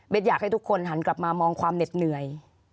อยากให้ทุกคนหันกลับมามองความเหน็ดเหนื่อย